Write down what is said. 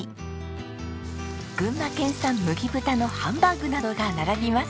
群馬県産麦豚のハンバーグなどが並びます。